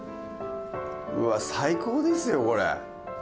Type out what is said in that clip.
うわ最高ですよこれ。